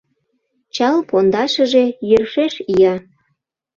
Чал пондашыже — йӧршеш ия.